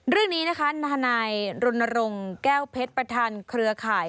เรื่องนี้นะคะทนายรณรงค์แก้วเพชรประธานเครือข่าย